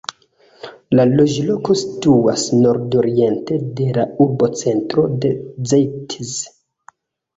La loĝloko situas nordoriente de la urbocentro de Zeitz.